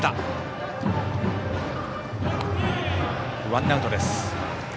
ワンアウトです。